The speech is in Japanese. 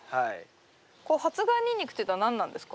発芽ニンニクっていうのは何なんですか？